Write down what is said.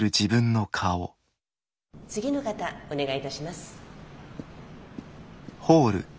次の方お願いいたします。